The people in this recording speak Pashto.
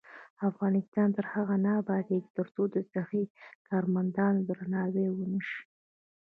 افغانستان تر هغو نه ابادیږي، ترڅو د صحي کارمندانو درناوی ونشي.